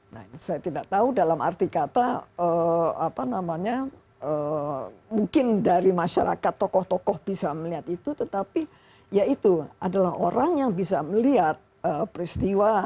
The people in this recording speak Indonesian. nah ini saya tidak tahu dalam arti kata apa namanya mungkin dari masyarakat tokoh tokoh bisa melihat itu tetapi ya itu adalah orang yang bisa melihat peristiwa